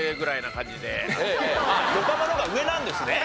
横浜の方が上なんですね。